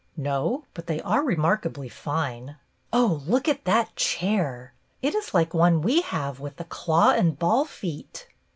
" No, but they are remarkably fine." "Oh, look at that chair! It is like one we have with the claw and ball feet."